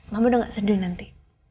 mama udah gak sedih nanti